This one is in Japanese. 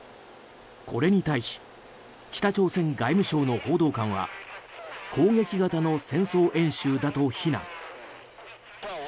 これに対し北朝鮮外務省の報道官は攻撃型の戦争演習だと非難。